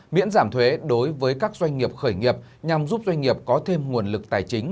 miễn giảm thuế đối với các doanh nghiệp khởi nghiệp nhằm giúp doanh nghiệp có thêm nguồn lực tài chính